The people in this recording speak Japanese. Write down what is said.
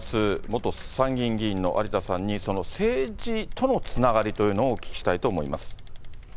元参議院議員の有田さんに、その政治とのつながりというのをお聞きしたいと思います。